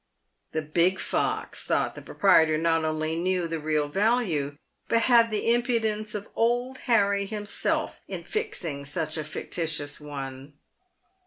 The big fox thought the proprietor not only knew the real value, but had the impudence of Old Harry himself in fixing such a fictitious one.